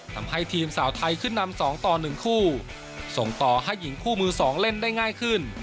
ทำให้ทีมสาวไทยขึ้นนำ๒ต่อ๑คู่ส่งต่อให้หญิงคู่มือ๒เล่นได้ง่ายขึ้น